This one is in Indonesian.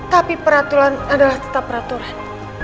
tapi peraturan adalah tetap peraturan